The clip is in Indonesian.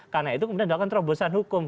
karena itu kemudian akan terobosan hukum